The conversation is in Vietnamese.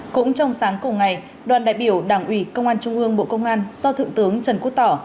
cũng trong sáng cùng ngày đoàn đại biểu đảng ủy công an trung ương bộ công an do thượng tướng trần quốc tỏ